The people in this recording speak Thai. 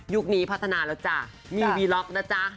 นี้พัฒนาแล้วจ้ะมีวีล็อกนะจ๊ะ